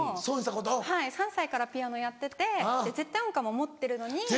はい３歳からピアノやってて絶対音感も持ってるのに。